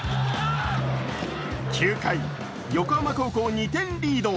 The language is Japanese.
９回、横浜高校２点リード。